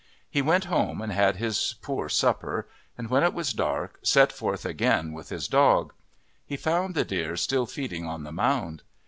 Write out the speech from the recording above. He went home and had his poor supper, and when it was dark set forth again with his dog. He found the deer still feeding on the mound.